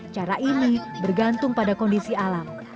cara ini bergantung pada kondisi alam